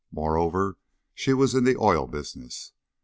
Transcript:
Moreover, she was in the oil business.